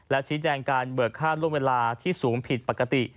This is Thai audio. และชี้แจงการเบิกค่าร่วมเวลาที่สูงผิดปกติ